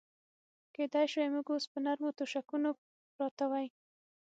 کېدای شوای موږ اوس پر نرمو تشکونو پراته وای.